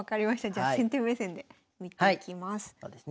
じゃあ先手目線で見ていきます。